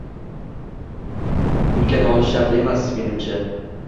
Bunga nolish shart emas, menimcha.